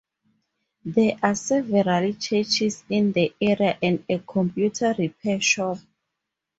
There are several churches in the area and a computer repair shop.